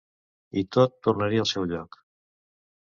I tot tornaria al seu lloc.